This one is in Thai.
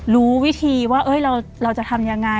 รู้วิธีว่าเราจะทำยังไง